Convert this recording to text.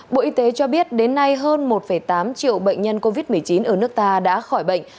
bộ y tế cho biết đến nay hơn một tám triệu bệnh nhân covid một mươi chín ở nước ta đã khỏi bệnh